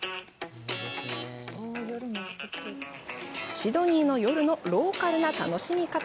シドニーの夜のローカルな楽しみ方。